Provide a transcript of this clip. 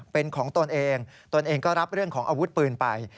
เป็นของตนเองตนเองก็รับเรื่องของอาวุธปืนไป